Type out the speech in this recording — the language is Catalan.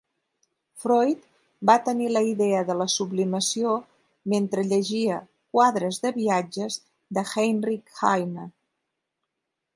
Freud va tenir la idea de la sublimació mentre llegia "Quadres de viatges" de Heinrich Heine.